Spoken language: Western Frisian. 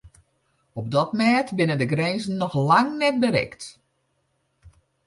Op dat mêd binne de grinzen noch lang net berikt.